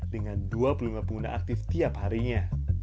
dengan dua puluh lima pengguna aktif tiap harinya